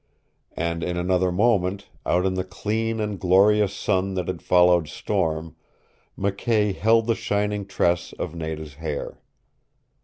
And in another moment, out in the clean and glorious sun that had followed storm, McKay held the shining tress of Nada's hair.